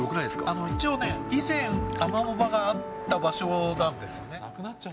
一応ね、以前、アマモ場があった場所なんですよね。